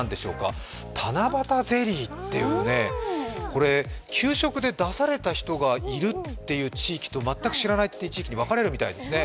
七夕ゼリーっていう、給食で出された人がいるというのと地域と全く知らないっていう地域に分かれるみたいですね。